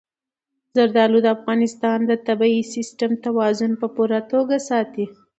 زردالو د افغانستان د طبعي سیسټم توازن په پوره توګه ساتي.